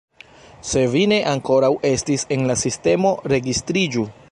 Se vi ne ankoraŭ estis en la sistemo, registriĝu.